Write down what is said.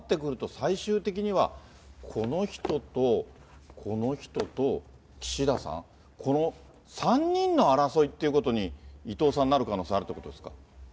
最終的には、この人とこの人と岸田さん、この３人の争いということに伊藤さん、なるって可能性があるってことですか？